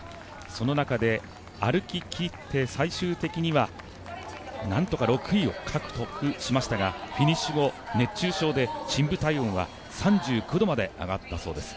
その中で歩ききって最終的にはなんとか６位を獲得しましたがフィニッシュ後、熱中症で深部体温は３９度まで上がったそうです。